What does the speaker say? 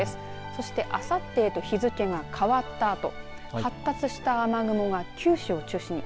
そして、あさってへと日付が変わったあと発達した雨雲が九州を中心に。